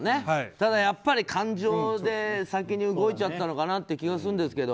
ただ、感情で先に動いちゃったのかなという気がするんですけど。